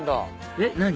えっ何？